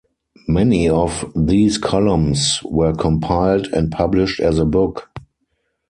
Many of these columns were compiled and published as a book.